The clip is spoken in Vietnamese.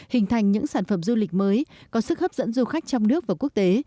hình thành những sản phẩm du lịch mới có sức hấp dẫn du khách trong nước và quốc tế